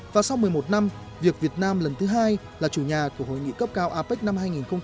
và sau một mươi một năm việc việt nam lần thứ hai là chủ nhà của hội nghị cấp cao apec năm hai nghìn hai mươi